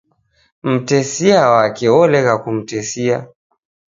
Mtesia wake olegha kumtesia.